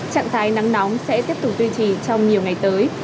trạng thái nắng nóng sẽ tiếp tục duy trì trong nhiều ngày tới